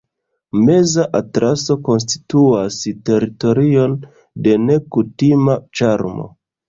Meza Atlaso konstituas teritorion de nekutima ĉarmo.